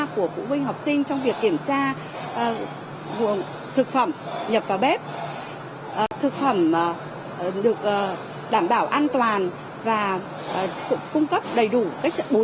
của phụ huynh học sinh trong việc kiểm tra